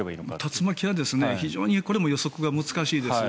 竜巻も非常に予測が難しいです。